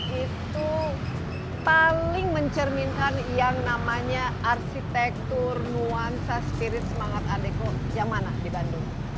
menurut adik itu paling mencerminkan yang namanya arsitektur nuansa spirit semangat art deco yang mana di bandung